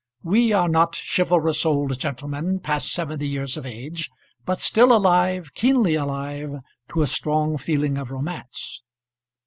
We are not chivalrous old gentlemen, past seventy years of age, but still alive, keenly alive, to a strong feeling of romance.